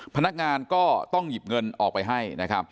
พนักงานก็ต้องหยิบเงินออกไปให้